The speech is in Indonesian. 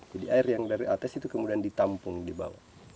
air yang dari atas itu kemudian ditampung di bawah